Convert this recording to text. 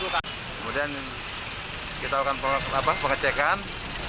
kemudian kita akan pengecekan